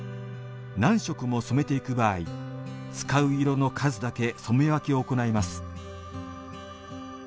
何色も染めていく場合、使う色の数だけ染め分けを行います。